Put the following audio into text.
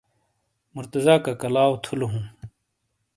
مرتضی کَکا لاؤ تھُولو ھُوں۔